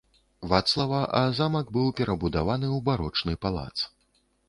Вацлава, а замак быў перабудаваны ў барочны палац.